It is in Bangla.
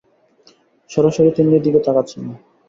সরাসরি তিন্নির দিকে তাকাচ্ছে না।